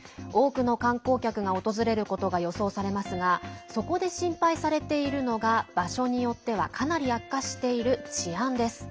多くの観光客が訪れることが予想されますがそこで心配されているのが場所によってはかなり悪化している治安です。